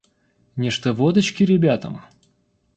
Нечто водочки ребятам?